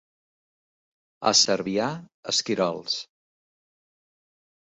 A Cervià, esquirols.